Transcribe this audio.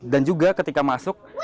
dan juga ketika masuk